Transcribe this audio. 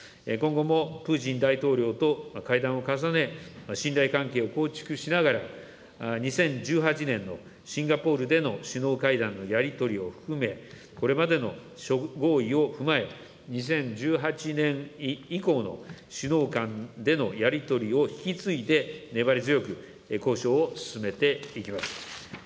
今後もプーチン大統領と会談を重ね、信頼関係を構築しながら、２０１８年のシンガポールでの首脳会談のやり取りを含め、これまでの諸合意を踏まえ、２０１８年以降の首脳間でのやり取りを引き継いで、粘り強く交渉を進めていきます。